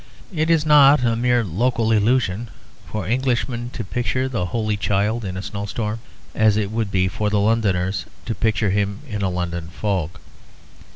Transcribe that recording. It is not a mere local illusion for Englishmen to picture the Holy Child in a snowstorm, as it would be for the Londoners to picture him in a London fog.